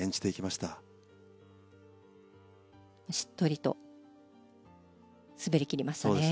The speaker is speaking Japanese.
しっとりと滑り切りましたね。